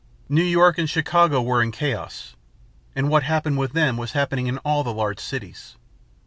"New York City and Chicago were in chaos. And what happened with them was happening in all the large cities.